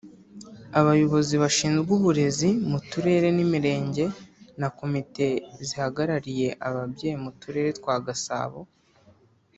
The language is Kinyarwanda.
abayobozi bashinzwe uburezi mu turere n’imirenge na komite zihagarariye ababyeyi mu turere twa Gasabo